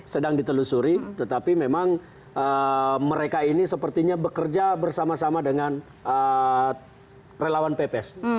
sedang ditelusuri tetapi memang mereka ini sepertinya bekerja bersama sama dengan relawan pps